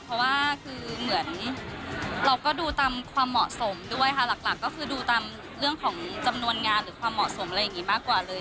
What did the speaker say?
เพราะว่าคือเหมือนเราก็ดูตามความเหมาะสมด้วยค่ะหลักก็คือดูตามเรื่องของจำนวนงานหรือความเหมาะสมอะไรอย่างนี้มากกว่าเลย